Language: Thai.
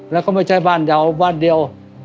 แล้วก็ไม่ใช่บ้านเราบ้านเดียว